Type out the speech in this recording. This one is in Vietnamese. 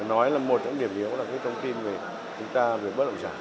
nói là một trong điểm yếu là thông tin về bất động sản